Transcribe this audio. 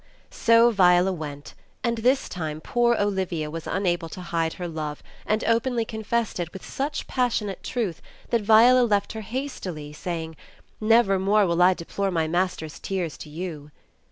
So Viola went, and this time poor Olivia was unable to hide her love, and openly confessed it with such passionate \ruth, that Viola leit her hastily, saying — "Nevermore will I deplore my master's tears to you."